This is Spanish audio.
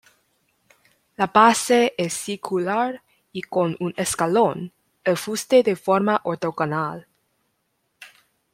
La base es circular y con un escalón, el fuste de forma ortogonal.